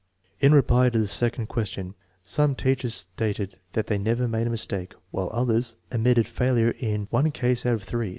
In reply to the second question, some teachers stated that they never made a mistake, while others admitted failure in one case out of three.